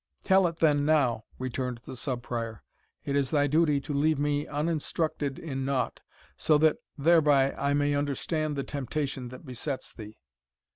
"Tell it, then, now," returned the Sub Prior; "it is thy duty to leave me uninstructed in nought, so that thereby I may understand the temptation that besets thee."